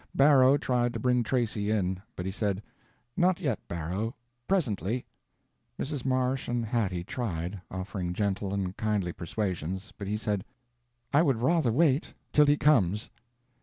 Barrow tried to bring Tracy in; but he said: "Not yet, Barrow—presently." Mrs. Marsh and Hattie tried, offering gentle and kindly persuasions; but he said; "I would rather wait—till he comes."